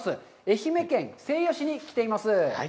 愛媛県西予市に来ています。